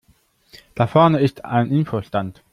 Da vorne ist ein Info-Stand.